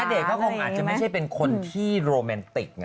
นะเด้นเค้าคงอาจจะไม่ใช่เป็นคนที่โรแมนติค